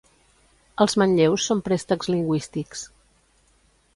Els manlleus són préstecs lingüístics.